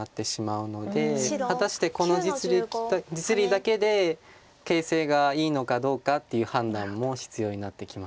果たしてこの実利だけで形勢がいいのかどうかっていう判断も必要になってきます。